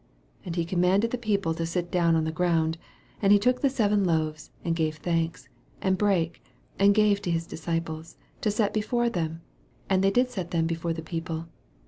6 And he commanded the people to eit down on the ground : and he took the seven loaves, and gave thanks, and brake, and gave to his disciples to set before them ; and they did set them before the people.